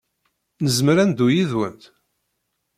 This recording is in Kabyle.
Nezmer ad neddu yid-went?